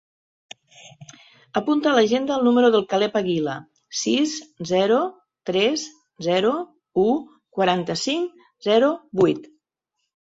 Apunta a l'agenda el número del Caleb Aguila: sis, zero, tres, zero, u, quaranta-cinc, zero, vuit.